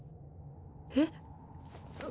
えっ？